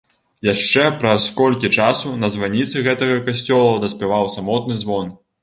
Яшчэ праз колькі часу на званіцы гэтага касцёла даспяваў самотны звон.